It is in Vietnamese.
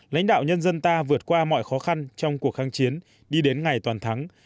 lãnh đạo nhân dân ta vượt qua mọi khó khăn trong cuộc kháng chiến đi đến ngày toàn thắng